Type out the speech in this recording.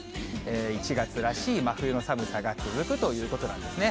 １月らしい真冬の寒さが続くということなんですね。